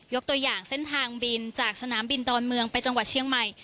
ตัวอย่างเส้นทางบินจากสนามบินดอนเมืองไปจังหวัดเชียงใหม่